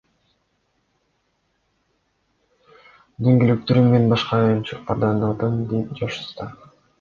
Дөңгөлөктөрүн мен башка оюнчуктардан алдым, — дейт жаш уста.